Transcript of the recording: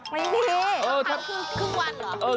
ไม่ได้ชั่วคราวคือครึ่งวันเหรอ